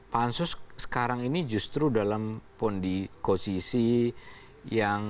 pansus sekarang ini justru dalam kondisisi yang kritis menurut saya